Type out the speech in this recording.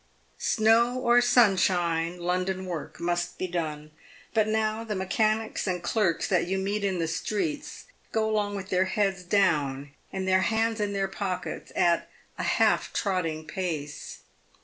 Snow or sunshine, London work must be done ; but now the mechanics and clerks that you meet in the streets go along with their heads down and their hands in their pockets, at a half trotting pace.